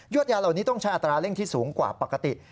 ยาเหล่านี้ต้องใช้อัตราเร่งที่สูงกว่าปกติ